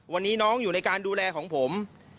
วันนี้น้องอยู่ในการดูแลของผม